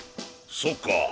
そっか。